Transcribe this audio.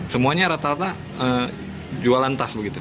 semuanya rata rata jualan tas begitu